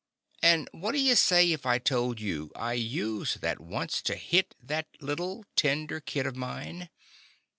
And what 'd you say if I told you I used that once to hit that little, tender kid of mine?